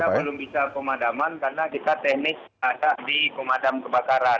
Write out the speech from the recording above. kita belum bisa pemadaman karena kita teknis ada di pemadam kebakaran